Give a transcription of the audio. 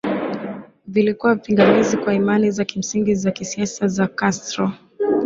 vilikuwa pingamizi kwa imani za kimsingi za siasa za Castro